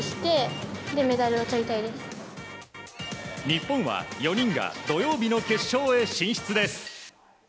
日本は４人が土曜日の決勝へ進出です。